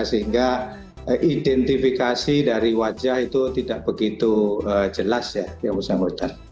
sehingga identifikasi dari wajah itu tidak begitu jelas ya yang bersangkutan